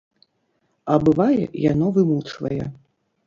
А бывае, яно вымучвае.